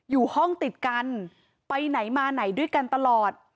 อยู่ห้องติดกันไปไหนมาไหนด้วยกันตลอด